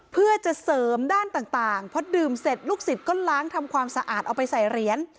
เพื่อจะเสริมด้านต่างพอดื่มเสร็จลูกศิษย์ก็ล้างทำความสะอาดเอาไปใส่เหรียญ